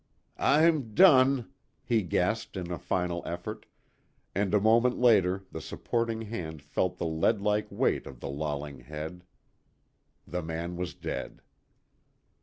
"I'm done!" he gasped in a final effort, and a moment later the supporting hand felt the lead like weight of the lolling head. The man was dead.